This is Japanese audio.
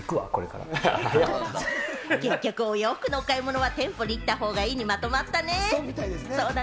結局お洋服のお買い物は店舗に行ったほうがいいにまとまったね。